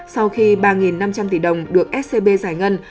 sau khi ba năm trăm linh tỷ đồng được scb giải ngân